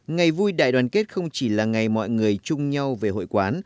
ngày vui đại đoàn kết không chỉ là ngày mọi người chung nhau về hội quán